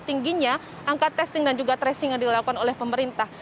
tingginya angka testing dan juga tracing yang dilakukan oleh pemerintah